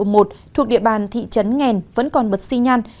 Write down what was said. thuộc địa bàn thị trấn nghèn vẫn còn bật xi nhan